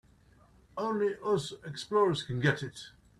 Only us explorers can get it.